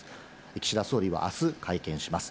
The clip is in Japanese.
岸田総理はあす、会見します。